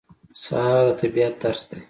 سهار د طبیعت درس دی.